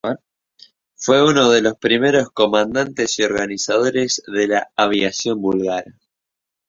Fue uno de los primeros comandantes y organizadores de la aviación búlgara.